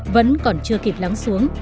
vẫn còn chưa kịp lắng xuống